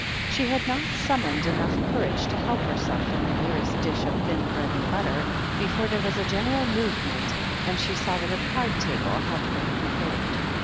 She had not summoned enough courage to help herself from the nearest dish of thin bread and butter before there was a general movement, and she saw that a card table had been pfepared.